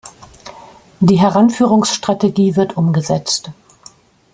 Die Heranführungsstrategie wird umgesetzt.